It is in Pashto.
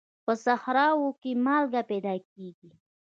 په صحراوو کې مالګه پیدا کېږي.